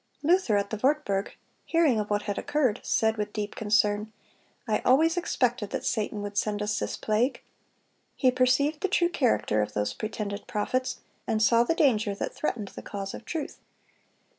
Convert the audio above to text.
(267) Luther at the Wartburg, hearing of what had occurred, said with deep concern, "I always expected that Satan would send us this plague."(268) He perceived the true character of those pretended prophets, and saw the danger that threatened the cause of truth.